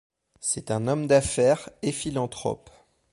C'est un homme d'affaires et philanthrope.